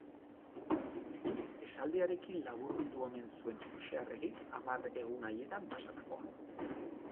Esaldiarekin laburbildu omen zuen Joxe Arregik hamar egun haietan pasatakoa.